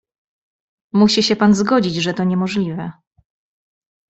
"Musi się pan zgodzić, że to niemożliwe."